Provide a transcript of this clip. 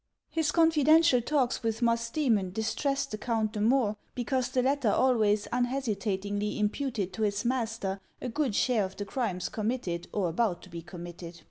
His confidential talks with Musdcemon distressed the count the more because the latter always unhesitatingly imputed to his master a good share of the crimes com mitted or about to be committed.